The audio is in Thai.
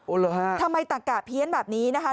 โอ้แล้วทำไมตักกะเพี้ยนแบบนี้นะคะ